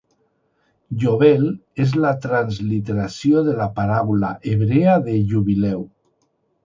Yovel és la transliteració de la paraula hebrea de Jubileu.